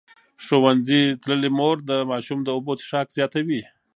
ښوونځې تللې مور د ماشوم د اوبو څښاک زیاتوي.